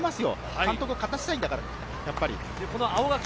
監督を勝たせたいんだから。